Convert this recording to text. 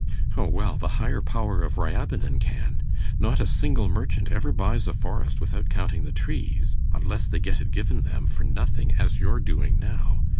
"Oh, well, the higher power of Ryabinin can. Not a single merchant ever buys a forest without counting the trees, unless they get it given them for nothing, as you're doing now.